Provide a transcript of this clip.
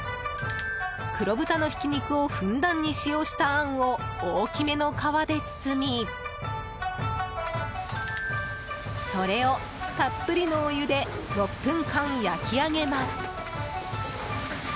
黒豚のひき肉をふんだんに使用したあんを大きめの皮で包みそれをたっぷりのお湯で６分間、焼き上げます。